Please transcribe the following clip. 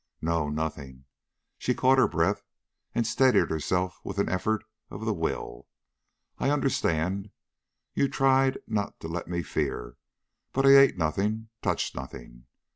"No. Nothing." She caught her breath and steadied herself with an effort of the will. "I understand. You tried not to let me fear. But I ate nothing, touched nothing.